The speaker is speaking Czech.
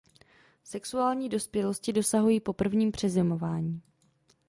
Sexuální dospělosti dosahují po prvním přezimování.